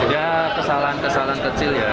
ya kesalahan kesalahan kecil ya